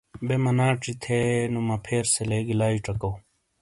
بے مناچی تھے نو مپھیر سے لیگی لائی چکاؤ۔